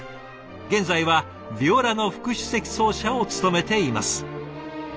現在はヴィオラの副首席奏者を務めています。